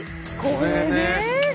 これね。